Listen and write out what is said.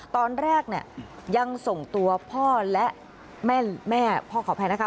ตอนแรกเนี่ยยังส่งตัวพ่อและแม่พ่อขออภัยนะคะ